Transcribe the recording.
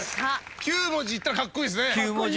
９文字いったらカッコイイっすね。